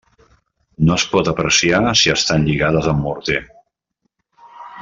No es pot apreciar si estan lligades amb morter.